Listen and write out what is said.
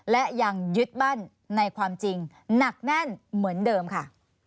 และยังยึดมั่นในความจริงหนักแน่นเหมือนเดิมค่ะ